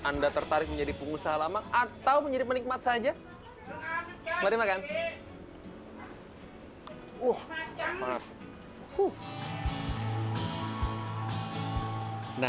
anda tertarik menjadi pengusaha lama atau menjadi penikmat saja mari makan